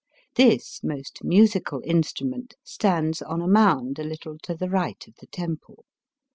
This most musical instrument stands on a mound a little to the right of the temple.